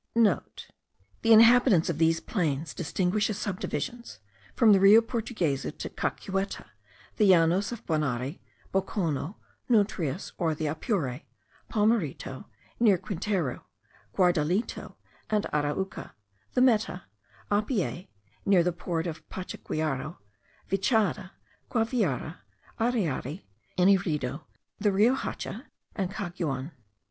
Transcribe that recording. *(* The inhabitants of these plains distinguish as subdivisions, from the Rio Portuguesa to Caqueta, the Llanos of Guanare, Bocono, Nutrius or the Apure, Palmerito near Quintero, Guardalito and Arauca, the Meta, Apiay near the port of Pachaquiaro, Vichada, Guaviare, Arriari, Inirida, the Rio Hacha, and Caguan.